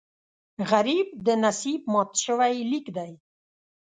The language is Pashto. غریب د نصیب مات شوی لیک دی